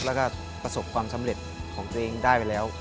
แล้วก็ประสบความสำเร็จของตัวเองได้ไปแล้ว